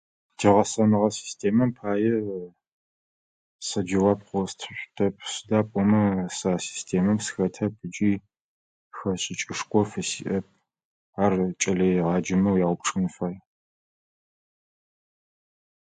Тигъэсэныгъэ системэм пае сэ джэуап къостышъутэп сыда пӏомэ сэ а системэм сыхэтэп ыкӏи хэшӏыкӏышхо фысиӏэп. Ар кӏэлэегъаджэмэ уяупчӏын фай.